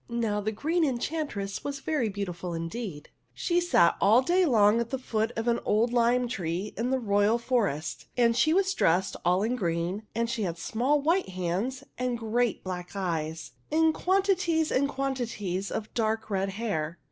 Now, the Green Enchantress was very beau tiful indeed. She sat all day long at the foot of an old lime tree in the royal forest, and she was dressed all in green, and she had small white hands and great black eyes and quanti ties and quantities of dark red hair.